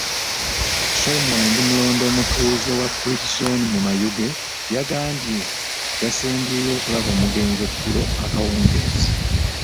Solomon Ndimulodi, omutuze wa Bridge zooni mu Mayuge yagambye yasembyeyo okulaba omugenzi eggulo akawungeezi.